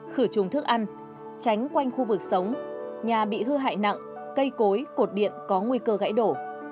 khử trùng thức ăn tránh quanh khu vực sống nhà bị hư hại nặng cây cối cột điện có nguy cơ gãy đổ